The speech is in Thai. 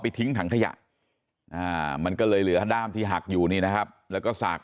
ทิ้งถังขยะมันก็เลยเหลือด้ามที่หักอยู่นี่นะครับแล้วก็สาก